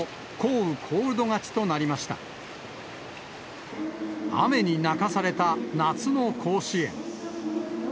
雨に泣かされた夏の甲子園。